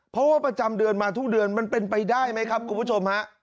เพราะว่าประจำเดือนมาทุกเดือนมันเป็นไปได้ไหมครับคุณผู้ชมฮะ